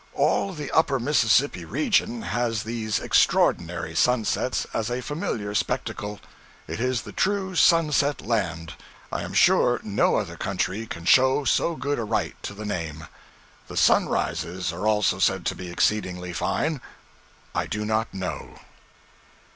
All the Upper Mississippi region has these extraordinary sunsets as a familiar spectacle. It is the true Sunset Land: I am sure no other country can show so good a right to the name. The sunrises are also said to be exceedingly fine. I do not know.